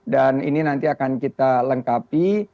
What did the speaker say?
ini nanti akan kita lengkapi